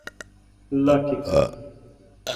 ल ठीक छ ।